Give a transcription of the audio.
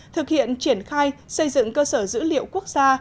thực hiện triển khai xây dựng cơ sở dữ liệu quốc gia